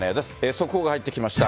速報が入ってきました。